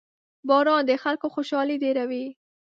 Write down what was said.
• باران د خلکو خوشحالي ډېروي.